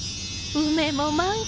梅も満開！